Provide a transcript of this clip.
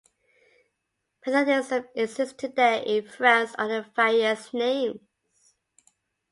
Methodism exists today in France under various names.